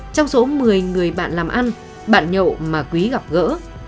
trong số một mươi người bạn làm ăn bạn nhậu mà quý gặp gỡ